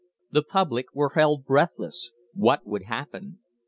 The public were held breathless. What would happen?